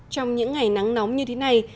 trong những ngày nắng nóng như thế này